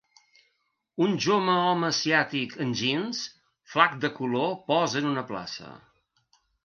Un jove home asiàtic en jeans flac de color posa en una plaça